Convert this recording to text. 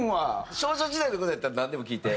少女時代の事やったらなんでも聞いて。